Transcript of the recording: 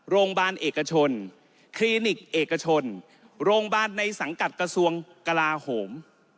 โรงพยาบาลเอกชนคลินิกเอกชนโรงพยาบาลในสังกัดกระทรวงกลาโหม